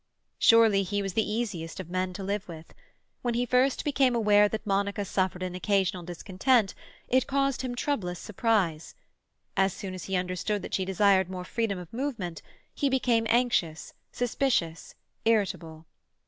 Surely he was the easiest of men to live with. When he first became aware that Monica suffered an occasional discontent, it caused him troublous surprise. As soon as he understood that she desired more freedom of movement, he became anxious, suspicious, irritable.